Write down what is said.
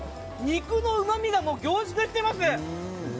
肉のうまみが凝縮してます。